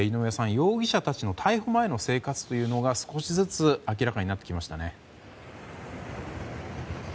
容疑者たちの逮捕前の生活が少しずつ明らかになってきましたね。